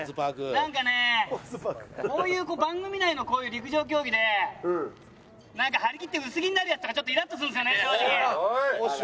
なんかねこういう番組内の陸上競技でなんか張り切って薄着になるヤツとかちょっとイラッとするんですよね正直。